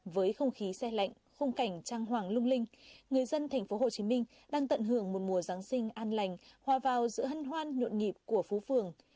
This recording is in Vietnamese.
với không khí xe lạnh khung cảnh trang hoàng lung linh người dân tp hcm đang tận hưởng một mùa giáng sinh an lành hòa vào giữa hân hoan nhộn nhịp của phố phường